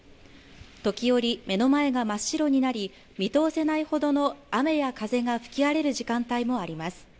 時折、目の前が真っ白になり見通せないほどの雨や風が吹き荒れる時間帯もあります